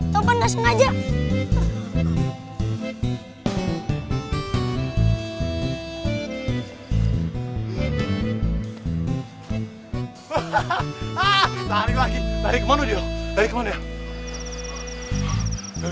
lari lagi lari kemana dia lari kemana